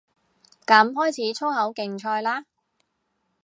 噉開始粗口競賽嘞